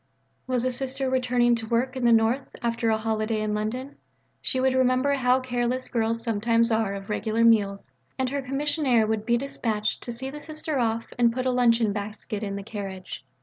Was a Sister returning to work in the North after a holiday in London? She would remember how careless girls sometimes are of regular meals, and her Commissionaire would be dispatched to see the Sister off and put a luncheon basket in the carriage.